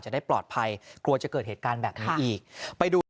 จะได้ปลอดภัยกลัวจะเกิดเหตุการณ์แบบนี้อีกไปดู